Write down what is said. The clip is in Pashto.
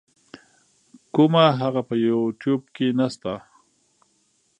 کوومه هغه په یو يټیوب کی نسته.